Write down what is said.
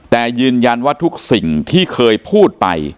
แต่ยืนยันว่าทุกสิ่งที่เคยพูดไป